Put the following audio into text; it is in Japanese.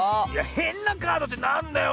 へんなカードってなんだよ。